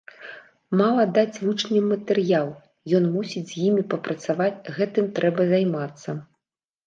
Мала даць вучням матэрыял, ён мусіць з ім папрацаваць, гэтым трэба займацца.